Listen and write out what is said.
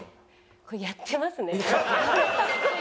これやってます。